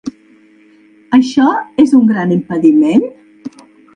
Això és un gran impediment?